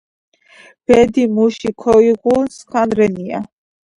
ბედი მუში ქოგიღუნ - სქანი რენია